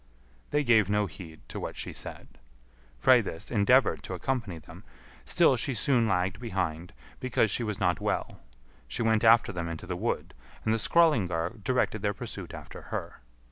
They gave no heed to what she said. Freydis endeavoured to accompany them, still she soon lagged behind, because she was not well; she went after them into the wood, and the Skrœlingar directed their pursuit after her.